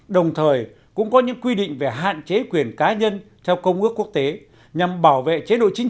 đồng thời cũng có những quy định về hạn chế quyền cá nhân theo công ước quốc tế nhằm bảo vệ chế độ chính